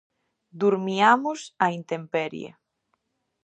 Durmiamos á intemperie.